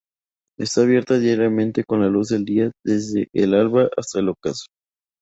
Está abierto diariamente con la luz del día desde el alba hasta el ocaso.